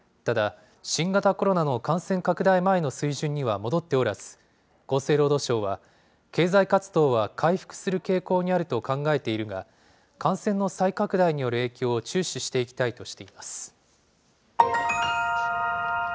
ただ、新型コロナの感染拡大前の水準には戻っておらず、厚生労働省は、経済活動は回復する傾向にあると考えているが、感染の再拡大による影響を注視していきたいとしています。